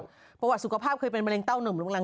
เพราะว่าสุขภาพเคยเป็นมะเร็งเต้านุ่ม